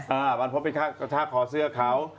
อ่าบรรพธก็ไปกระชากคอเสื้อเขา